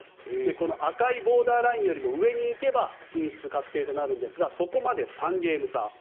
この赤いボーダーラインより上に行けば進出確定となりますがそこまで３ゲーム差。